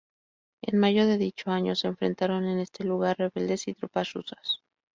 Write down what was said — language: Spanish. En mayo de dicho año se enfrentaron en este lugar rebeldes y tropas rusas.